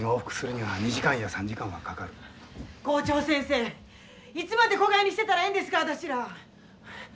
校長先生いつまでこがいにしてたらええんですか私ら！